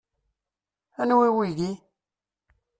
Anwi wiyi?